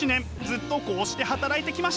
ずっとこうして働いてきました。